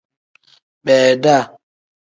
Beeda.